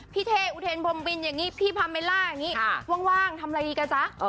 พี่เทอุเทนบอมบินพี่พาเมล่าว่างทำอะไรดีกันจ๊ะ